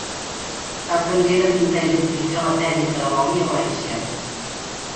Aprengué de pintar i d'utilitzar la tècnica de l'oli a València.